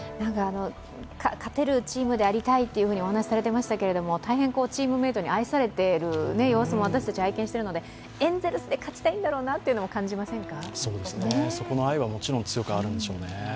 勝てるチームでありたいとお話しされていましたけれども大変チームメートに愛されている様子も私たちは拝見しているのでエンゼルスで勝ちたいんだろうなというのは感じませんか？